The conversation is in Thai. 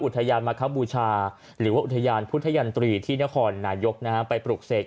อุทยานมาคบูชาหรือว่าอุทยานพุทธยันตรีที่นครนายกไปปลูกเสก